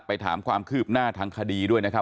ถามความคืบหน้าทางคดีด้วยนะครับ